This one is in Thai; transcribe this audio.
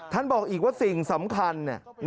บอกอีกว่าสิ่งสำคัญ